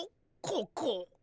ここ。